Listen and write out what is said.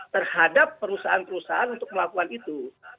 terhadap perusahaan perusahaan untuk melakukan itu